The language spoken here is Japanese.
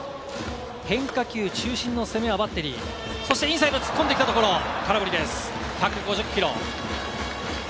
変化球、中心の攻めはバッテリー、そしてインサイド、突っ込んできたところ、空振りです、１５０キロ。